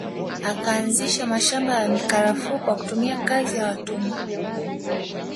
Akaanzisha mashamba ya mikarafuu kwa kutumia kazi ya watumwa